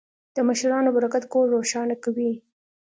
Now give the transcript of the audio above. د مشرانو برکت کور روښانه کوي.